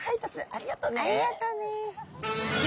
ありがとうね。